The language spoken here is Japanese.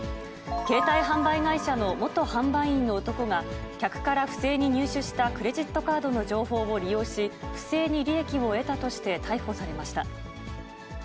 携帯販売会社の元販売員の男が、客から不正に入手したクレジットカードの情報を利用し、不正に利益を得たとして、逮捕されました。